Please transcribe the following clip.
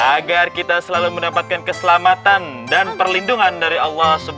agar kita selalu mendapatkan keselamatan dan perlindungan dari allah swt